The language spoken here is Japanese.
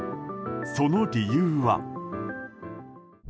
その理由は。